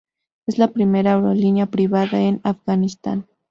Es la primera aerolínea privada en Afganistán.